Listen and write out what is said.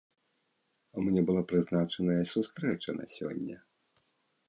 Мне была прызначаная сустрэча на сёння.